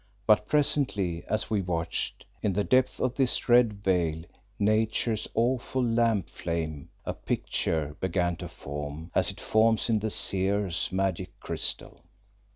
But presently, as we watched, in the depths of this red veil, Nature's awful lamp flame, a picture began to form as it forms in the seer's magic crystal.